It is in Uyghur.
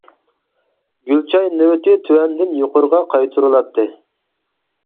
گۈل چاي نۆۋىتى تۆۋەندىن يۇقىرىغا قايتۇرۇلاتتى.